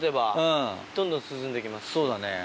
そうだね。